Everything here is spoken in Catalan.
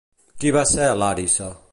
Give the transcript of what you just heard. Qui va ser Làrissa?